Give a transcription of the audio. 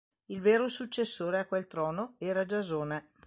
Il vero successore a quel trono era Giasone.